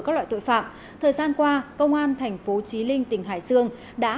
các loại tội phạm thời gian qua công an tp chí linh tỉnh hải sương đã